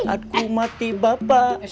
aku mati bapak